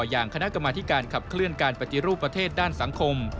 อย่างคณะกรรมธิการขับเคลื่อนการปฏิรูปประเทศด้านสังคม